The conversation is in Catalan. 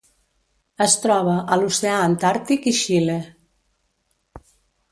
Es troba a l'oceà Antàrtic i Xile.